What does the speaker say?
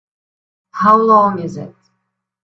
How long is it?